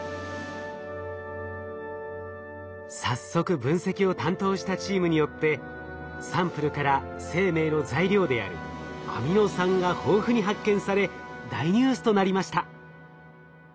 早速分析を担当したチームによってサンプルから生命の材料であるアミノ酸が豊富に発見され大ニュースとなりました。